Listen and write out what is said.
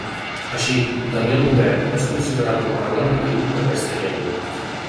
Així, Daniel Bovet és considerat un parlant natiu d'aquesta llengua.